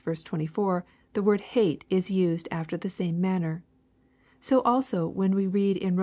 vL 24, the word *hate' is used after the same manner. So also when we read in Rom.